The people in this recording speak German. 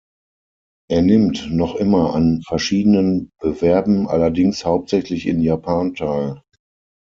Er nimmt noch immer an verschiedenen Bewerben, allerdings hauptsächlich in Japan, teil.